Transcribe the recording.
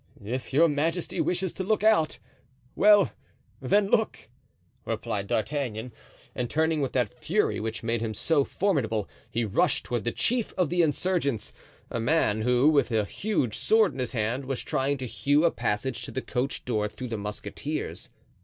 "If your majesty wishes to look out—well, then, look!" replied D'Artagnan. And turning with that fury which made him so formidable, he rushed toward the chief of the insurgents, a man who, with a huge sword in his hand, was trying to hew a passage to the coach door through the musketeers.